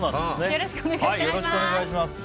よろしくお願いします。